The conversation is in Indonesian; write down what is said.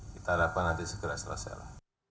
kita dapat nanti segera selesailah